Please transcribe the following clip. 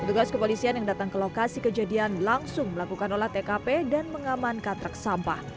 petugas kepolisian yang datang ke lokasi kejadian langsung melakukan olah tkp dan mengamankan truk sampah